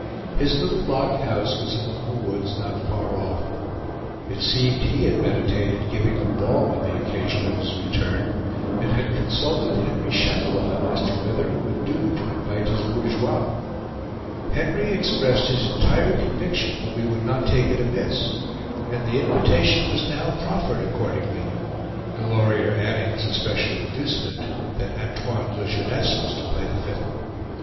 His little log house was among the woods not far off. It seemed he had meditated giving a ball on the occasion of his return, and had consulted Henry Chatillon as to whether it would do to invite his bourgeois. Henry expressed his entire conviction that we would not take it amiss, and the invitation was now proffered, accordingly, Delorier adding as a special inducement that Antoine Lejeunesse was to play the fiddle.